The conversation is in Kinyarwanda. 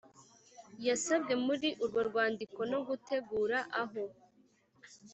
yasabwe muri urwo rwandiko no gutegura aho